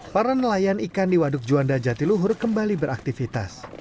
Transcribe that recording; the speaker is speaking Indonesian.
para nelayan ikan di waduk juanda jatiluhur kembali beraktivitas